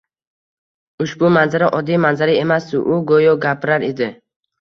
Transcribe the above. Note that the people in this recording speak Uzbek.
Ushbu manzara oddiy manzara emasdi – u go‘yo gapirar edi!